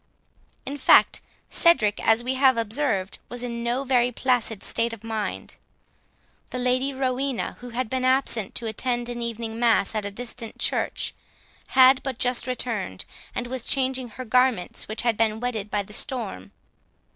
In fact, Cedric, as we have observed, was in no very placid state of mind. The Lady Rowena, who had been absent to attend an evening mass at a distant church, had but just returned, and was changing her garments, which had been wetted by the storm.